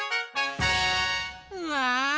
うわ！